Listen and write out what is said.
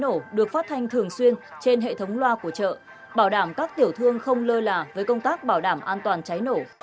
pháo nổ được phát thanh thường xuyên trên hệ thống loa của chợ bảo đảm các tiểu thương không lơ là với công tác bảo đảm an toàn cháy nổ